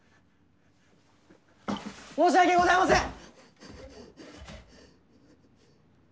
申し訳ございません！